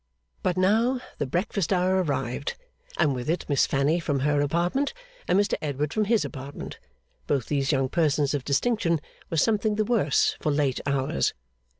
But, now, the breakfast hour arrived; and with it Miss Fanny from her apartment, and Mr Edward from his apartment. Both these young persons of distinction were something the worse for late hours.